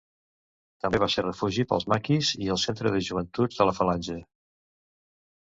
També va ser refugi pels maquis i centre de Joventuts de la Falange.